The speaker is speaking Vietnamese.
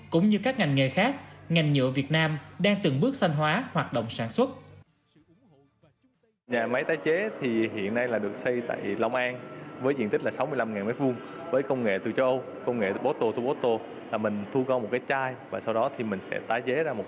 cũng như các ngành nghề khác ngành nhựa việt nam đang từng bước xanh hóa hoạt động sản xuất